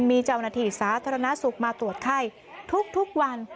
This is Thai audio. มีเจ้าหน้าที่สาธารณสุขมาตรวจไข้ทุกวัน